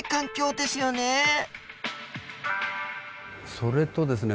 それとですね